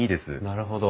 なるほど。